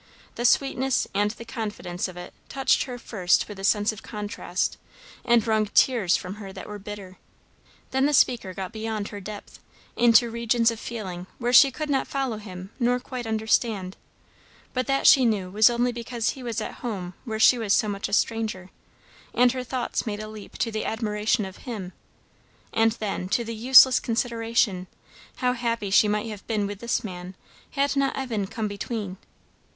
The sweetness and the confidence of it touched her first with the sense of contrast, and wrung tears from her that were bitter; then the speaker got beyond her depth, into regions of feeling where she could not follow him nor quite understand, but that, she knew, was only because he was at home where she was so much a stranger; and her thoughts made a leap to the admiration of him, and then to the useless consideration, how happy she might have been with this man had not Evan come between.